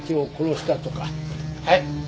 はい。